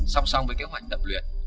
song song với kế hoạch tập luyện